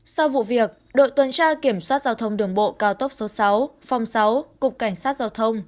sau vụ việc đội tuần tra kiểm soát giao thông đường bộ cao tốc số sáu phòng sáu cục cảnh sát giao thông